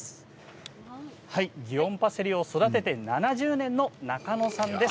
祇園パセリを育てて７０年の中野さんです。